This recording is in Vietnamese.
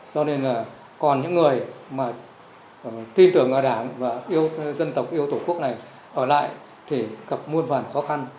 do nên là còn những người mà tin tưởng vào đảng và dân tộc yêu tổ quốc này ở lại thì gặp muôn vạn khó khăn